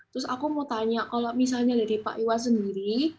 terus aku mau tanya kalau misalnya dari pak iwa sendiri